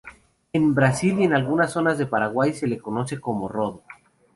En Brasil y en algunas zonas de Paraguay se le conoce como Rodo.